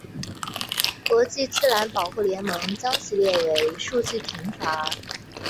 国际自然保护联盟将其列为数据缺乏。